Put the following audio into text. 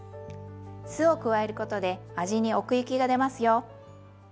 酢を加えることで味に奥行きがでますよ。